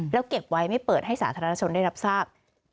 แล้วเก็บไว้ไม่เปิดให้สาธารณชนได้รับทราบ